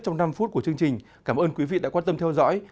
trong năm phút của chương trình cảm ơn quý vị đã quan tâm theo dõi